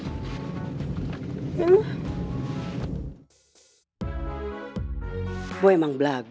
kamu emang beredar bang